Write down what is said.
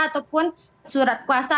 ataupun surat kuasa